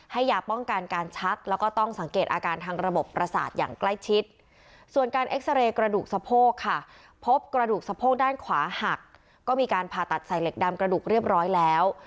ใส่เหล็กดำกระดูกเรียบร้อยแล้ว